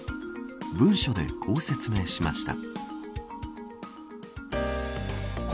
文書で、こう説明しました。